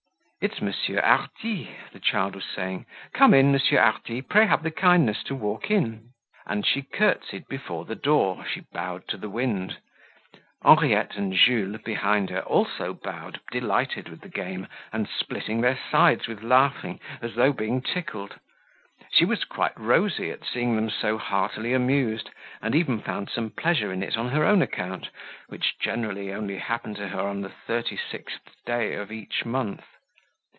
"It's Monsieur Hardy," the child was saying. "Come in, Monsieur Hardy. Pray have the kindness to walk in." And she curtsied before the door, she bowed to the wind. Henriette and Jules, behind her, also bowed, delighted with the game and splitting their sides with laughing, as though being tickled. She was quite rosy at seeing them so heartily amused and even found some pleasure in it on her own account, which generally only happened to her on the thirty sixth day of each month.